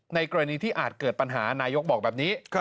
ในกรณีที่อาจเกิดปัญหานายกบอกแบบนี้